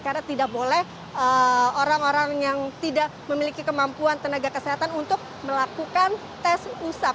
karena tidak boleh orang orang yang tidak memiliki kemampuan tenaga kesehatan untuk melakukan tes usap